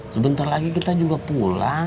sebentar lagi kita juga pulang